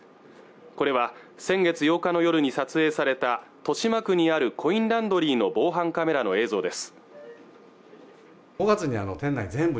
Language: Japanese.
これは先月８日の夜に撮影された豊島区にあるコインランドリーの防犯カメラの映像です